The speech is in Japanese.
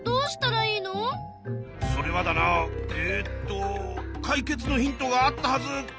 それはだなえっと解決のヒントがあったはず。